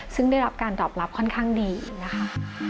ซึ่งได้รับการตอบรับค่อนข้างดีนะคะ